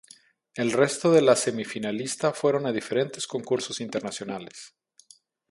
El resto de la semifinalista fueron a diferentes concursos internacionales.